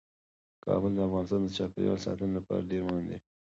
کابل د افغانستان د چاپیریال ساتنې لپاره ډیر مهم دی.